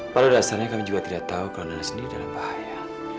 walau dasarnya kami juga tidak tahu kalau nana sendiri dalam bahaya